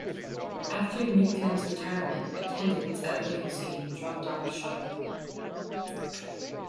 After Mikan's retirement, attendance at Lakers games dropped off sharply.